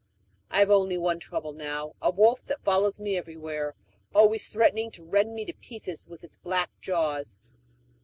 "I have only one trouble now a wolf that follows me everywhere, always threatening to rend me to pieces with its black jaws.